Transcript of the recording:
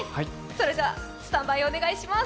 それではスタンバイお願いします。